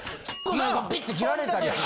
◎※▼のピッて切られたりする。